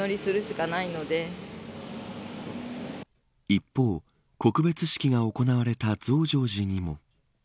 一方、告別式が行われた増上寺にも。